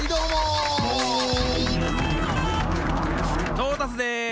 トータスです！